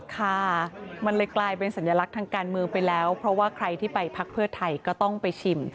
ค่ะมันเลยกลายเป็นสัญลักษณ์ทางการเมืองไปแล้วเพราะว่าใครที่ไปพักเพื่อไทยก็ต้องไปชิม